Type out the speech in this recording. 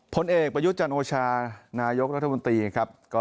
ผลเอกปะยุจันโอชาร้ายกรรภูมิตรีครับ